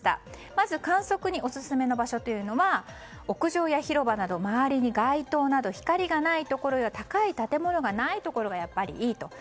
まず観測にオススメの場所は屋上や広場など周りに街灯など光がないところや高い建物がないところがいいと。